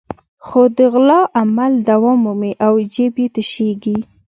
خو د غلا عمل دوام مومي او جېب یې تشېږي.